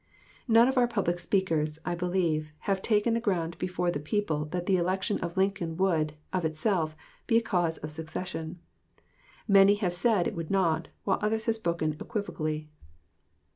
None of our public speakers, I believe, have taken the ground before the people that the election of Lincoln would, of itself, be a cause of secession. Many have said it would not, while others have spoken equivocally.